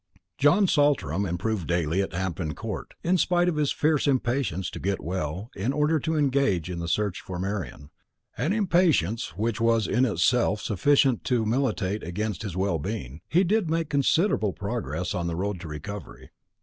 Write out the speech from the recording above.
John Saltram improved daily at Hampton Court. In spite of his fierce impatience to get well, in order to engage in the search for Marian an impatience which was in itself sufficient to militate against his well being he did make considerable progress on the road to recovery.